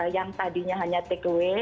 yang tadinya hanya takeaway